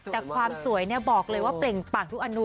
แต่ความสวยบอกเลยว่าเปล่งปากทุกอนุ